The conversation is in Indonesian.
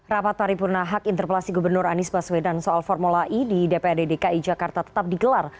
rapat paripurna hak interpelasi gubernur anies baswedan soal formula e di dprd dki jakarta tetap digelar